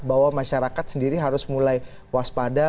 bahwa masyarakat sendiri harus mulai waspada